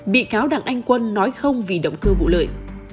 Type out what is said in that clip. bị cáo đảng anh quân nói không vì động cơ vụ lợi